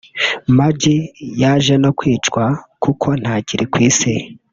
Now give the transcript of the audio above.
Maggie yaje no kwicwa kuko ntakiri ku isi